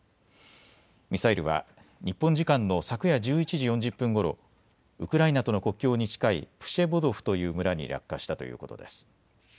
ミサイルは日本時間の昨夜１１時４０分ごろ、ウクライナとの国境に近いプシェボドフという村に落下したということです。